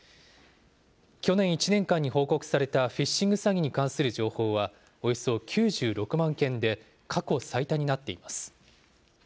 去年１年間に報告されたフィッシング詐欺に関する情報は、およそ９６万件で、過去最多になっています。